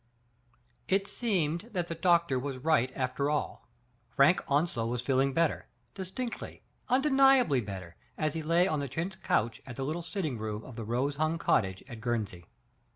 It seemed that the doctor was right after all ; Frank Onslow was feeling better, distinctly, unde niably better, as he lay on the chintz couch in the little sitting room of the rose hung cottage at Guernsey.